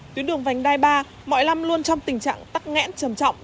tuyến đường vành đai ba mọi năm luôn trong tình trạng tắc nghẽn trầm trọng